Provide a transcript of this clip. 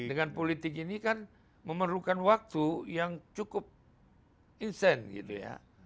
dengan politik ini kan memerlukan waktu yang cukup insan gitu ya